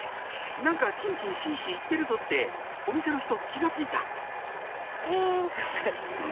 「何かチンチンシシ言ってるぞ」ってお店の人気が付いたチンシ。